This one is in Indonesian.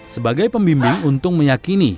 sebagai pembimbing untung meyakini